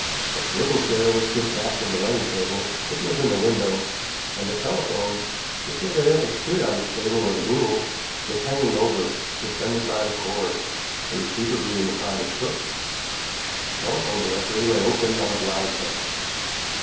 A swivel chair was pushed back from the writing table, which was in the window, and the telephone, which evidently stood on this table as a rule, was hanging over it, suspended by the cord, the receiver being upon its hook. The telephone directory lay open on the blotting pad.